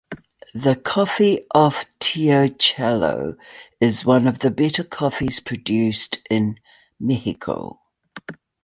The coffee of Teocelo is one of the better coffees produced in Mexico.